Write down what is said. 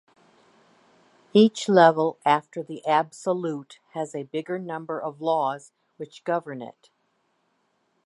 Each level after the Absolute has a bigger number of laws which govern it.